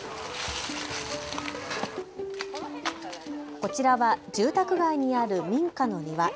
こちらは住宅街にある民家の庭。